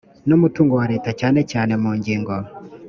n umutungo wa leta cyane cyane mu ngingo